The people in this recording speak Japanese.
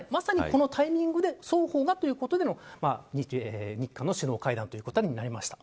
まさに、このタイミングで双方がということでの日韓の首脳会談となりました。